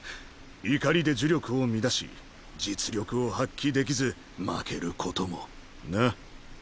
怒りで呪力を乱し実力を発揮できず負けることもな。